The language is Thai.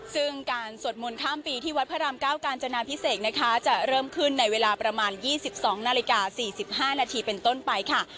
ซึ่งการสวดมุลข้ามปีที่วัดพระรามเก้ากาญจนาพิเศษนะคะจะเริ่มขึ้นในเวลาประมาณยี่สิบสองนาฬิกาสี่สิบห้านาทีเป็นต้นไปค่ะ